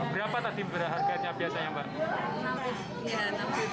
berapa tadi harganya biasa yang banyak